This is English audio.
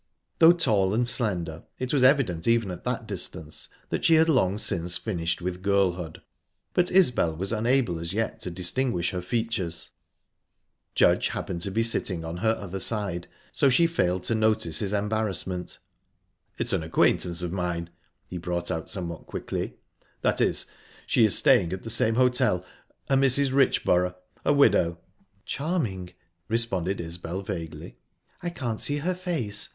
Though tall and slender, it was evident even at that distance that she had long since finished with girlhood, but Isbel was unable as yet to distinguish her features. Judge happened to be sitting on her other side, so she failed to notice his embarrassment. "It's an acquaintance of mine," he brought out somewhat quickly. "That is, she is staying at the same hotel. A Mrs. Richborough a widow." "Charming!" responded Isbel vaguely. "I can't see her face.